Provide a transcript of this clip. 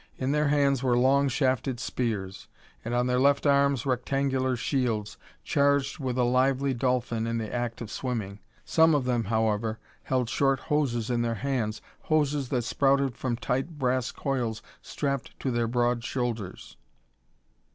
In their hands were long shafted spears, and on their left arms rectangular shields, charged with a lively dolphin in the act of swimming. Some of them, however, held short hoses in their hands, hoses that sprouted from tight brass coils strapped to their broad shoulders.